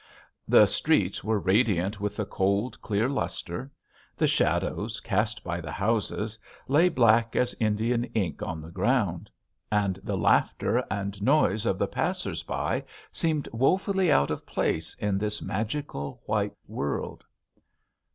The streets were radiant with the cold, clear lustre; the shadows cast by the houses lay black as Indian ink on the ground; and the laughter and noise of the passers by seemed woefully out of place in this magical white world.